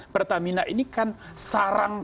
pertamina ini kan sarang